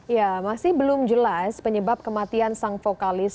ya masih belum jelas penyebab kematian sang vokalis